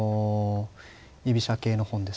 居飛車系の本ですと。